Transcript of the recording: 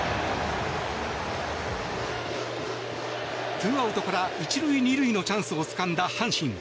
２アウトから１塁２塁のチャンスをつかんだ阪神。